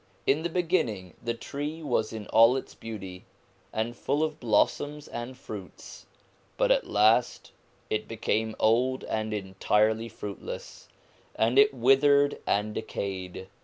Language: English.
In the beginning the tree was in all its beauty, and full of blossoms and fruits, but at last it became old and entirely fruitless, and it withered and decayed.